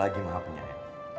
lagi maha penerima